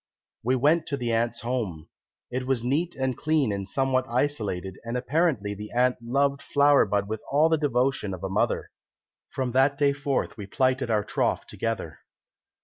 We went to the aunt's home. It was neat and clean and somewhat isolated, and apparently the aunt loved Flower bud with all the devotion of a mother. From that day forth we plighted our troth together.